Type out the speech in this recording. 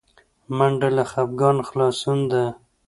منډه له خپګانه خلاصون ده